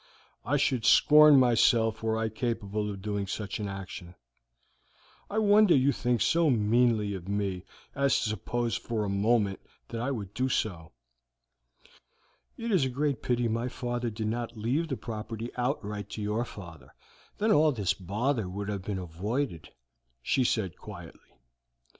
I should scorn myself were I capable of doing such an action. I wonder you think so meanly of me as to suppose for a moment that I would do so." "It is a great pity my father did not leave the property outright to your father, then all this bother would have been avoided," she said quietly.